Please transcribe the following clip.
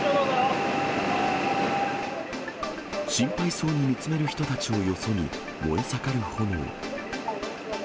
心配そうに見つめる人たちをよそに、燃え盛る炎。